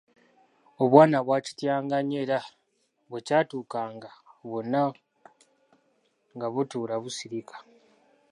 Obwana bwakityanga nnyo era bwekyatuukanga bwonna nga butuula busirika.